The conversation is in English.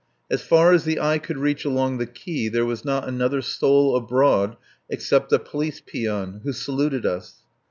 As far as the eye could reach along the quay there was not another soul abroad except the police peon, who saluted us.